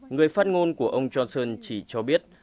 người phát ngôn của ông johnson chỉ cho biết